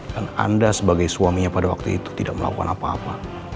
dan anda sebagai suaminya pada waktu itu tidak melakukan apa apa